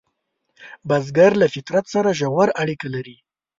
بزګر له فطرت سره ژور اړیکه لري